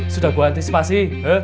sudah gue antisipasi